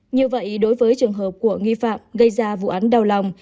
như vậy đối với trường hợp của nghi phạm gây ra vụ án đau lòng